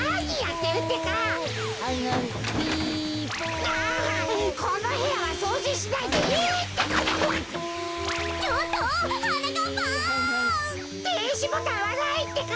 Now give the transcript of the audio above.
ていしボタンはないってか！？